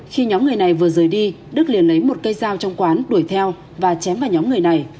khi nhóm người này vừa rời đi đức liền lấy một cây dao trong quán đuổi theo và chém vào nhóm người này